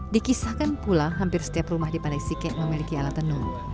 dikisahkan pula hampir setiap rumah di pandai sike memiliki alat tenun